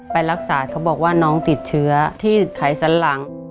ไปรักษาเขาบอกว่าน้องติดเชื้อที่ไขสันหลัง